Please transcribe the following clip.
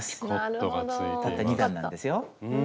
たった２段なんですよ。